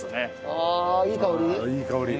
ああいい香り？